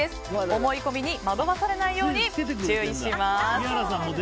思い込みに惑わされないように注意します。